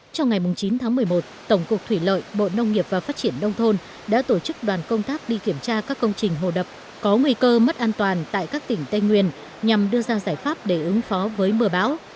trong ngày chín tháng một mươi một tổng cục thủy lợi bộ nông nghiệp và phát triển đông thôn đã tổ chức đoàn công tác đi kiểm tra các công trình hồ đập có nguy cơ mất an toàn tại các tỉnh tây nguyên nhằm đưa ra giải pháp để ứng phó với mưa bão